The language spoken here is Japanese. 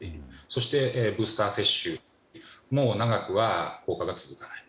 そしてブースター接種も長くは効果が続かない。